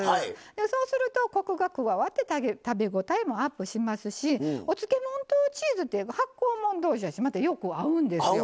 そうするとコクが加わって食べ応えもアップしますしお漬物とチーズって発酵もん同士やしまたよく合うんですよ。